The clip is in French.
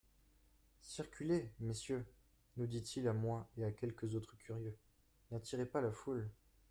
Circulez, Messieurs, nous dit-il à moi et à quelques autres curieux ; n'attirez pas la foule.